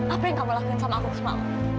apa yang kamu lakuin sama aku semalam